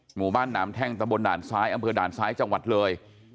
หมู่บ้านหนามแท่งตะบนด่านซ้ายอำเภอด่านซ้ายจังหวัดเลย